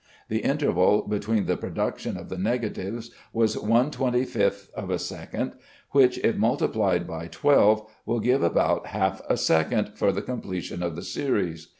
The interval between the production of the negatives was one twenty fifth of a second, which, if multiplied by twelve, will give about half a second for the completion of the series.